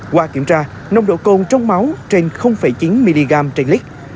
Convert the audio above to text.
qua kiểm tra nồng độ cồn trong máu trên chín mg trên lít